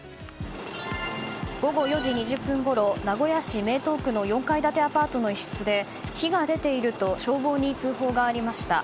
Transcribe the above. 午後４時２０分ごろ名古屋市名東区の４階建てアパートの一室で火が出ていると消防に通報がありました。